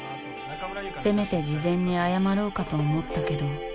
せめて事前に謝ろうかと思ったけど。